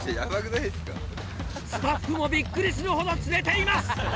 スタッフもびっくりするほど釣れています！